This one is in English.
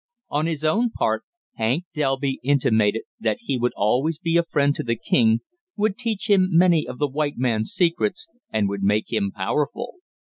On his own part, Hank Delby intimated that he would always be a friend to the king, would teach him many of the white man's secrets, and would make him powerful.